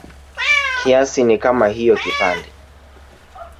Kiasi ni kama hiyo kipande